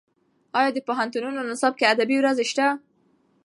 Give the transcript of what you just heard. ایا د پوهنتونونو نصاب کې ادبي ورځې شته؟